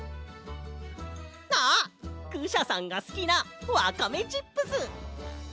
あっクシャさんがすきなワカメチップス！